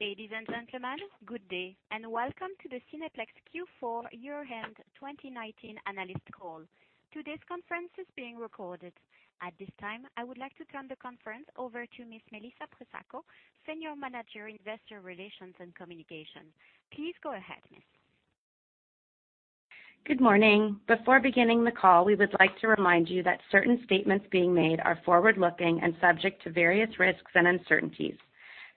Ladies and gentlemen, good day, and welcome to the Cineplex Q4 year-end 2019 analyst call. Today's conference is being recorded. At this time, I would like to turn the conference over to Miss Melissa Pressacco, Senior Manager, Investor Relations and Communications. Please go ahead, Miss. Good morning. Before beginning the call, we would like to remind you that certain statements being made are forward-looking and subject to various risks and uncertainties.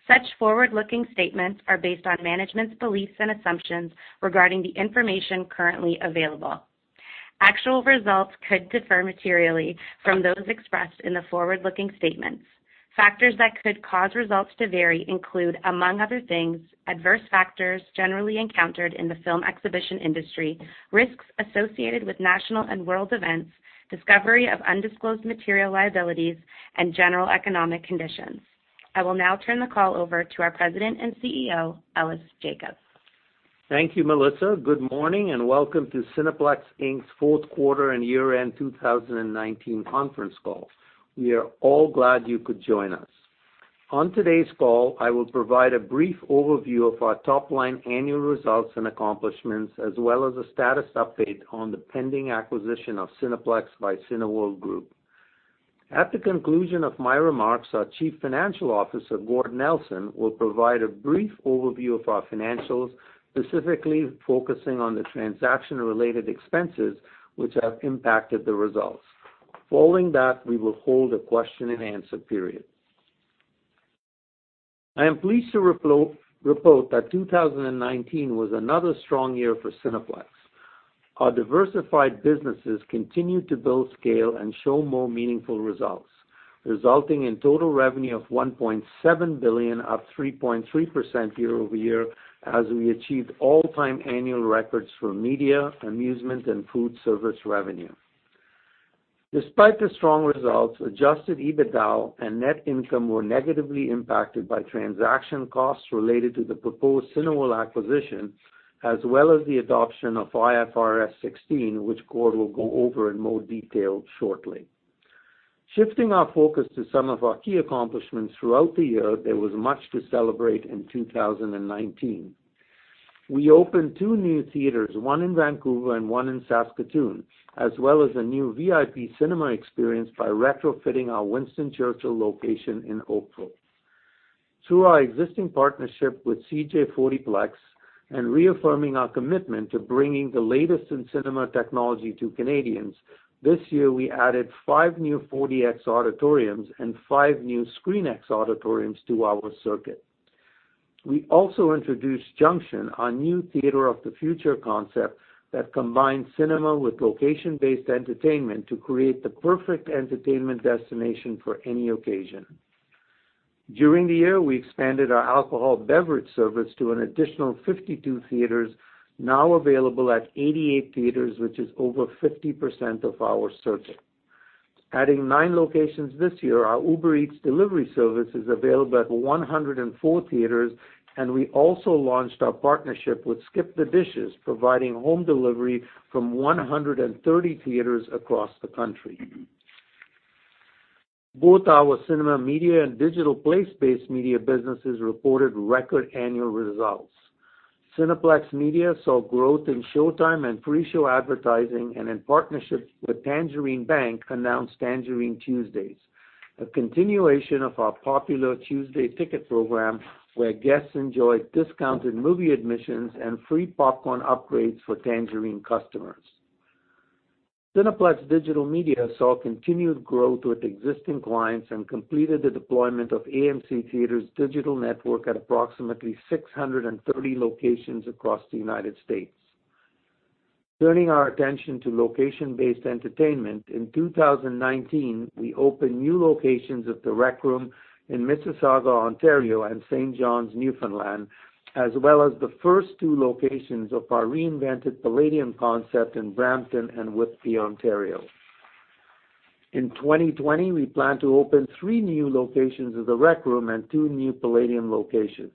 Such forward-looking statements are based on management's beliefs and assumptions regarding the information currently available. Actual results could differ materially from those expressed in the forward-looking statements. Factors that could cause results to vary include, among other things, adverse factors generally encountered in the film exhibition industry, risks associated with national and world events, discovery of undisclosed material liabilities, and general economic conditions. I will now turn the call over to our President and Chief Executive Officer, Ellis Jacob. Thank you, Melissa. Good morning, and welcome to Cineplex Inc.'s fourth quarter and year-end 2019 conference call. We are all glad you could join us. On today's call, I will provide a brief overview of our top-line annual results and accomplishments, as well as a status update on the pending acquisition of Cineplex by Cineworld Group. At the conclusion of my remarks, our Chief Financial Officer, Gord Nelson, will provide a brief overview of our financials, specifically focusing on the transaction-related expenses which have impacted the results. Following that, we will hold a question-and-answer period. I am pleased to report that 2019 was another strong year for Cineplex. Our diversified businesses continued to build scale and show more meaningful results, resulting in total revenue of 1.7 billion, up 3.3% YoY, as we achieved all-time annual records for media, amusement, and food service revenue. Despite the strong results, Adjusted EBITDA and net income were negatively impacted by transaction costs related to the proposed Cineworld acquisition, as well as the adoption of IFRS 16, which Gord will go over in more detail shortly. Shifting our focus to some of our key accomplishments throughout the year, there was much to celebrate in 2019. We opened two new theaters, one in Vancouver and one in Saskatoon, as well as a new VIP cinema experience by retrofitting our Winston Churchill location in Oakville. Through our existing partnership with CJ 4DPLEX and reaffirming our commitment to bringing the latest in cinema technology to Canadians, this year, we added five new 4DX auditoriums and five new ScreenX auditoriums to our circuit. We also introduced Junxion, our new theater of the future concept that combines cinema with location-based entertainment to create the perfect entertainment destination for any occasion. During the year, we expanded our alcohol beverage service to an additional 52 theaters, now available at 88 theaters, which is over 50% of our circuit. Adding nine locations this year, our Uber Eats delivery service is available at 104 theaters, and we also launched our partnership with SkipTheDishes, providing home delivery from 130 theaters across the country. Both our Cineplex Media and Digital Place-Based Media businesses reported record annual results. Cineplex Media saw growth in showtime and pre-show advertising, and in partnership with Tangerine Bank, announced Tangerine Tuesdays, a continuation of our popular Tuesday ticket program where guests enjoy discounted movie admissions and free popcorn upgrades for Tangerine customers. Cineplex Digital Media saw continued growth with existing clients and completed the deployment of AMC Theatres' digital network at approximately 630 locations across the U.S. Turning our attention to location-based entertainment, in 2019, we opened new locations of The Rec Room in Mississauga, Ontario and St. John's, Newfoundland, as well as the first two locations of our reinvented Playdium concept in Brampton and Whitby, Ontario. In 2020, we plan to open three new locations of The Rec Room and two new Playdium locations.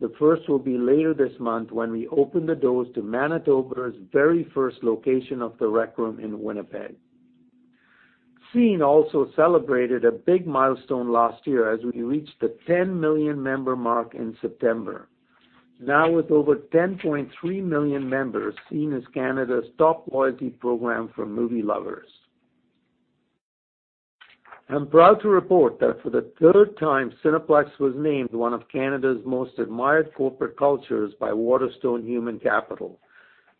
The first will be later this month when we open the doors to Manitoba's very first location of The Rec Room in Winnipeg. Scene+ also celebrated a big milestone last year as we reached the 10 million member mark in September. Now, with over 10.3 million members, Scene+ is Canada's top loyalty program for movie lovers. I'm proud to report that for the third time, Cineplex was named one of Canada's most admired corporate cultures by Waterstone Human Capital.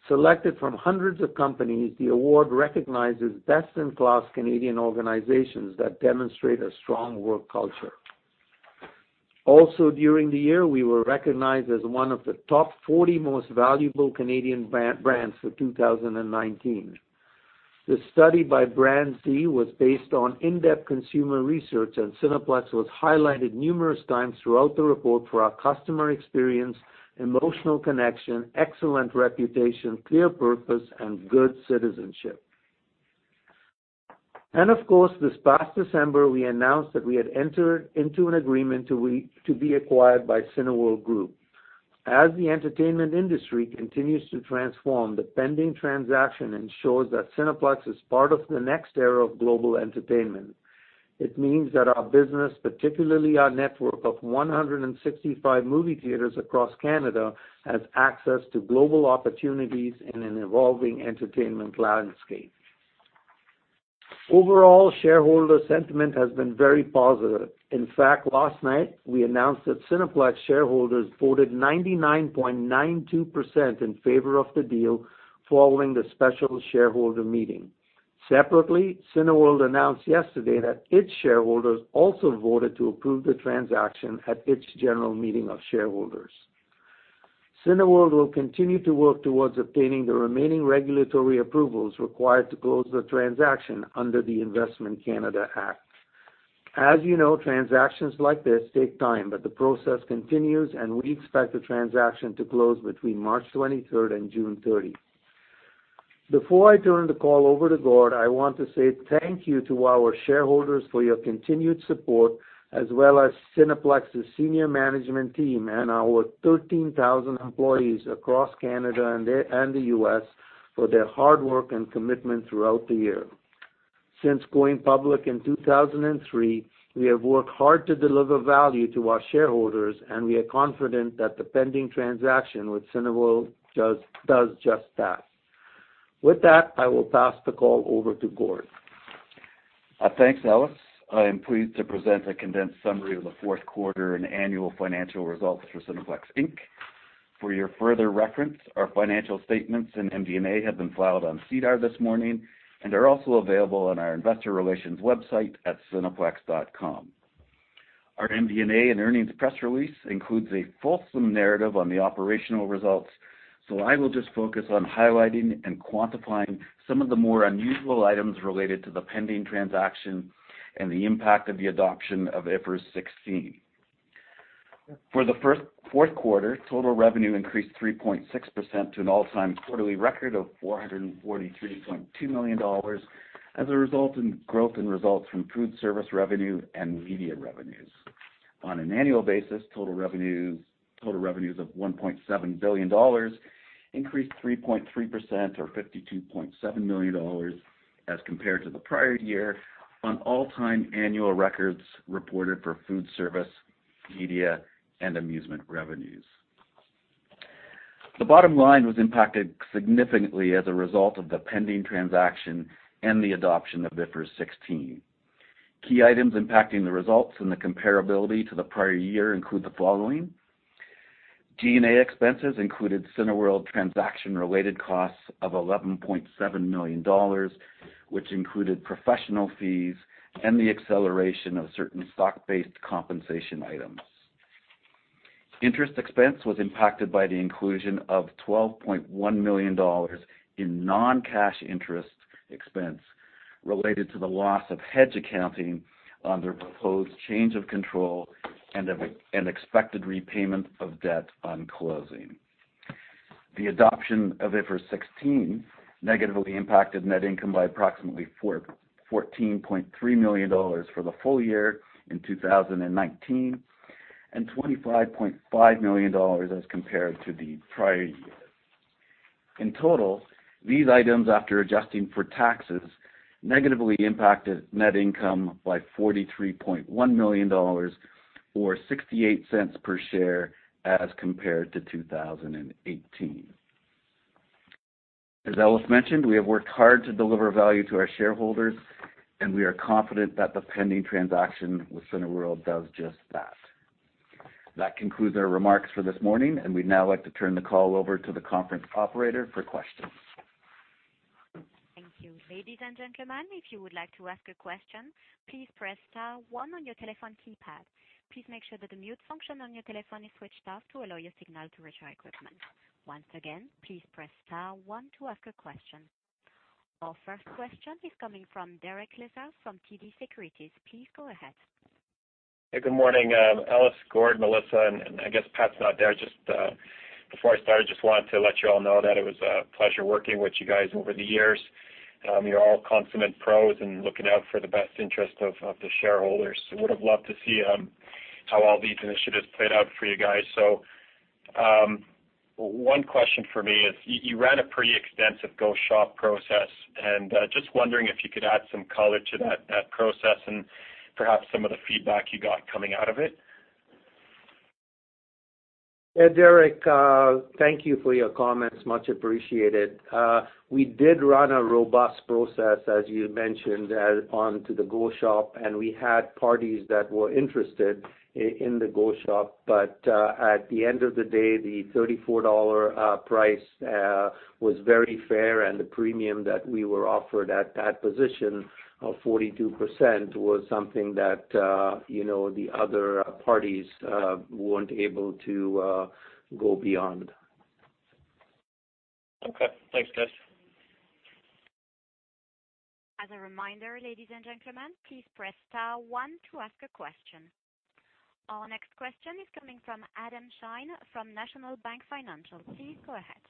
Selected from hundreds of companies, the award recognizes best-in-class Canadian organizations that demonstrate a strong work culture. Also during the year, we were recognized as one of the top 40 most valuable Canadian brands for 2019. The study by BrandZ was based on in-depth consumer research, and Cineplex was highlighted numerous times throughout the report for our customer experience, emotional connection, excellent reputation, clear purpose, and good citizenship. Of course, this past December, we announced that we had entered into an agreement to be acquired by Cineworld Group. As the entertainment industry continues to transform, the pending transaction ensures that Cineplex is part of the next era of global entertainment. It means that our business, particularly our network of 165 movie theaters across Canada, has access to global opportunities in an evolving entertainment landscape. Overall, shareholder sentiment has been very positive. In fact, last night we announced that Cineplex shareholders voted 99.92% in favor of the deal following the special shareholder meeting. Separately, Cineworld announced yesterday that its shareholders also voted to approve the transaction at its general meeting of shareholders. Cineworld will continue to work towards obtaining the remaining regulatory approvals required to close the transaction under the Investment Canada Act. As you know, transactions like this take time, the process continues, and we expect the transaction to close between March 23rd and June 30. Before I turn the call over to Gord, I want to say thank you to our shareholders for your continued support, as well as Cineplex's senior management team and our 13,000 employees across Canada and the US for their hard work and commitment throughout the year. Since going public in 2003, we have worked hard to deliver value to our shareholders. We are confident that the pending transaction with Cineworld does just that. With that, I will pass the call over to Gord. Thanks, Ellis. I am pleased to present a condensed summary of the fourth quarter and annual financial results for Cineplex Inc. For your further reference, our financial statements and MD&A have been filed on SEDAR this morning and are also available on our investor relations website at cineplex.com. Our MD&A and earnings press release includes a fulsome narrative on the operational results. I will just focus on highlighting and quantifying some of the more unusual items related to the pending transaction and the impact of the adoption of IFRS 16. For the fourth quarter, total revenue increased 3.6% to an all-time quarterly record of 443.2 million dollars as a result in growth in results from food service revenue and media revenues. On an annual basis, total revenues of 1.7 billion dollars increased 3.3%, or 52.7 million dollars as compared to the prior year on all-time annual records reported for food service, media, and amusement revenues. The bottom line was impacted significantly as a result of the pending transaction and the adoption of IFRS 16. Key items impacting the results and the comparability to the prior year include the following: G&A expenses included Cineworld transaction-related costs of 11.7 million dollars, which included professional fees and the acceleration of certain stock-based compensation items. Interest expense was impacted by the inclusion of 12.1 million dollars in non-cash interest expense related to the loss of hedge accounting on their proposed change of control and expected repayment of debt on closing. The adoption of IFRS 16 negatively impacted net income by approximately 14.3 million dollars for the full year in 2019, and 25.5 million dollars as compared to the prior year. In total, these items, after adjusting for taxes, negatively impacted net income by 43.1 million dollars, or 0.68 per share as compared to 2018. As Ellis mentioned, we have worked hard to deliver value to our shareholders, and we are confident that the pending transaction with Cineworld does just that. That concludes our remarks for this morning, and we'd now like to turn the call over to the conference operator for questions. Thank you. Ladies and gentlemen, if you would like to ask a question, please press star one on your telephone keypad. Please make sure that the mute function on your telephone is switched off to allow your signal to reach our equipment. Once again, please press star one to ask a question. Our first question is coming from Derek Lessard from TD Securities. Please go ahead. Hey, good morning. Ellis, Gord, Melissa, and I guess Pat's not there. Just before I start, I just wanted to let you all know that it was a pleasure working with you guys over the years. You're all consummate pros and looking out for the best interest of the shareholders. Would have loved to see how all these initiatives played out for you guys. One question for me is, you ran a pretty extensive go-shop process and just wondering if you could add some color to that process and perhaps some of the feedback you got coming out of it. Yeah, Derek, thank you for your comments. Much appreciated. We did run a robust process, as you mentioned, onto the go-shop, and we had parties that were interested in the go-shop. At the end of the day, the 34 dollar price was very fair, and the premium that we were offered at that position of 42% was something that the other parties weren't able to go beyond. Okay. Thanks, guys. As a reminder, ladies and gentlemen, please press star one to ask a question. Our next question is coming from Adam Shine from National Bank Financial. Please go ahead.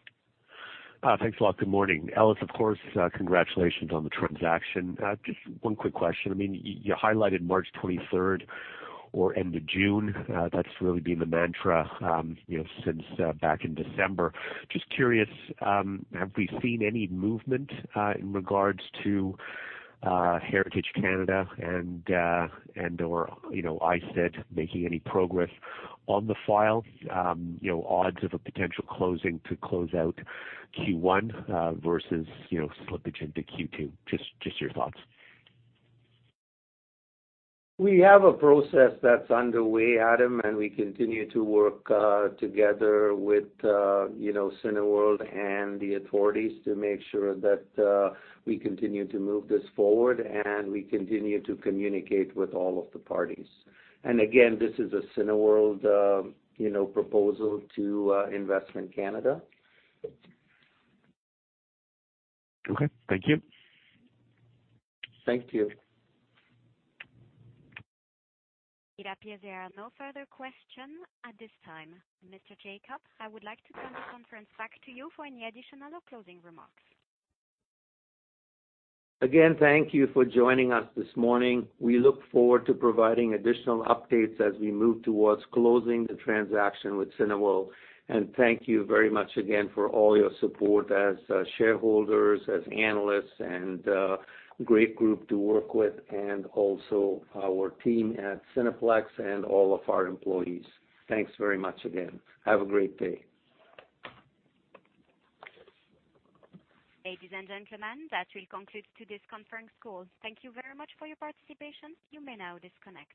Thanks a lot. Good morning. Ellis, of course, congratulations on the transaction. Just one quick question. You highlighted March 23rd or end of June. That's really been the mantra since back in December. Just curious, have we seen any movement in regards to Canadian Heritage and/or ISED making any progress on the file? Odds of a potential closing to close out Q1 versus slippage into Q2? Just your thoughts. We have a process that's underway, Adam, and we continue to work together with Cineworld and the authorities to make sure that we continue to move this forward, and we continue to communicate with all of the parties. Again, this is a Cineworld proposal to Investment Canada. Okay. Thank you. Thank you. It appears there are no further questions at this time. Mr. Jacob, I would like to turn the conference back to you for any additional or closing remarks. Again, thank you for joining us this morning. We look forward to providing additional updates as we move towards closing the transaction with Cineworld. Thank you very much again for all your support as shareholders, as analysts, and great group to work with, and also our team at Cineplex and all of our employees. Thanks very much again. Have a great day. Ladies and gentlemen, that will conclude today's conference call. Thank you very much for your participation. You may now disconnect.